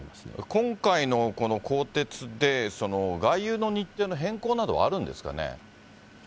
今回のこの更迭で、外遊の日程の変更などはあるんですかね。